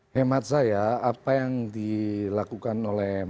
hemat saya apa yang dilakukan oleh mbak yeni wahid